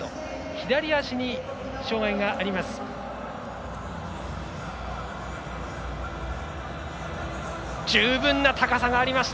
左足に障がいがあります。